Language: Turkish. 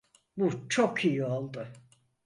Bu çok iyi oldu.